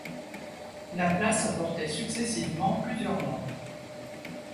La place a porté successivement plusieurs noms.